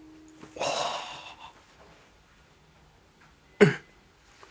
えっ！